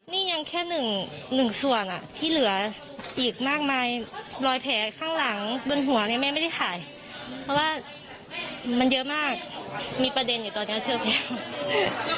นี่ยังแค่หนึ่งส่วนที่เหลืออีกมากมายรอยแผลข้างหลังบนหัวเนี่ยแม่ไม่ได้ถ่ายเพราะว่ามันเยอะมากมีประเด็นอยู่ตอนนี้เชือกแพง